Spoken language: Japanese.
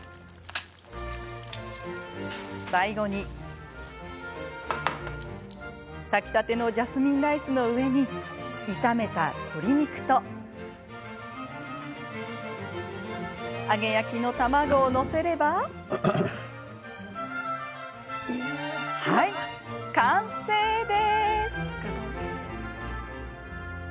最後に炊きたてのジャスミンライスの上に炒めた鶏肉と揚げ焼きの卵を載せればはい、完成です。